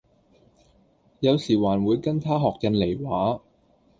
有時還會跟她學印尼話